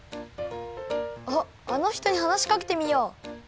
あっあのひとにはなしかけてみよう！